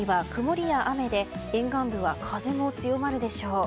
月曜日と火曜日は曇りや雨で沿岸部は風も強まるでしょう。